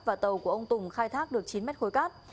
và tàu của ông tùng khai thác được chín mét khối cát